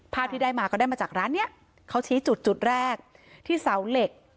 ที่ได้มาก็ได้มาจากร้านเนี้ยเขาชี้จุดจุดแรกที่เสาเหล็ก